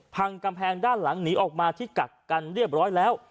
กำแพงด้านหลังหนีออกมาที่กักกันเรียบร้อยแล้ว